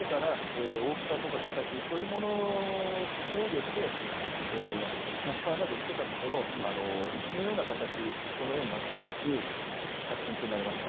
もともと石がきてから大きさや形、それを考慮してキャスターなどをつけたところ、イスのような形、このようになって作品となりました。